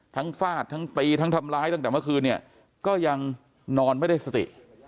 ฟาดทั้งตีทั้งทำร้ายตั้งแต่เมื่อคืนเนี่ยก็ยังนอนไม่ได้สติ